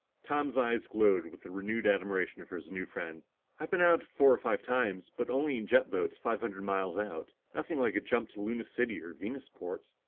Tom's eyes glowed with renewed admiration for his new friend. "I've been out four or five times but only in jet boats five hundred miles out. Nothing like a jump to Luna City or Venusport."